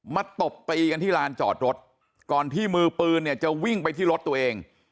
ตบตีกันที่ลานจอดรถก่อนที่มือปืนเนี่ยจะวิ่งไปที่รถตัวเอง